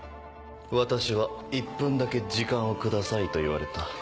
私は「１分だけ時間をください」と言われた。